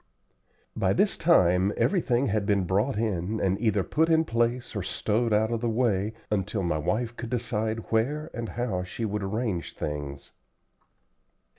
By this time everything had been brought in and either put in place or stowed out of the way, until my wife could decide where and how she would arrange things.